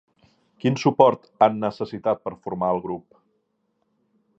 Quin suport han necessitat per formar el grup?